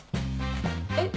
えっ？